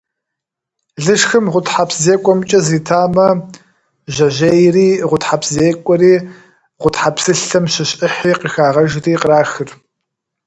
Лышхым гъутхьэпсзекӏуэмкӏэ зритамэ, жьэжьейри, гъутхьэпсзекӏуэри, гъутхьэпсылъэм щыщ ӏыхьи къыхагъэжри кърахыр.